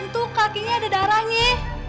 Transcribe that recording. tuh kakinya ada darahnya